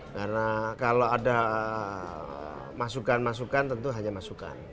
karena kalau ada masukan masukan tentu hanya masukan